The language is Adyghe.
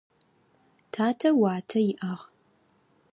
Татэ уатэ иӏагъ.